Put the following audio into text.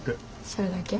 それだけ？